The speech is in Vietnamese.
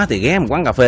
thì ghé một quán cà phê